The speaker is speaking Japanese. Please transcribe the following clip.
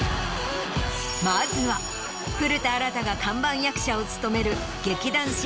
まずは古田新太が看板役者を務める。